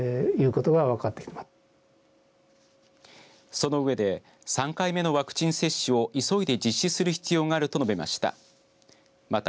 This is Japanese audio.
その上で３回目のワクチン接種を急いで実施する必要があると述べました。